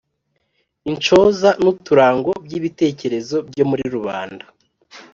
Inshoza n‘uturango by‘ibitekerezo byo muri rubanda